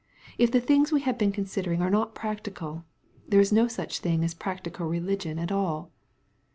If the things we have been considering are not practical, there is no such thing as practical religion at all.